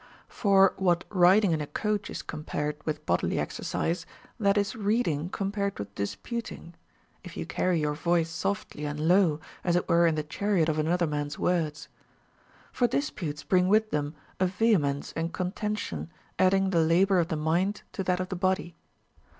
For what riding in a coach is comparediΛvith bodily exercise, that is reading compared with disputing, if you carry your voice softly and low, as it Avere in the chariot of another man's words. For disputes bring Avith them a vehemence and contention, adding the labor of the mind to that of the body.